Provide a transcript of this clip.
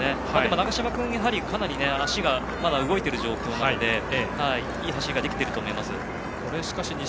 長嶋君かなり足が動いている状況なのでいい走りができていると思います。